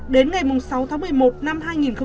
đến ngày sáu tháng một mươi một năm hai nghìn một mươi chín